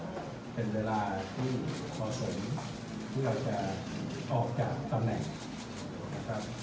ว่าเป็นเวลาที่พอสมเพื่อจะออกจากตำแหน่ง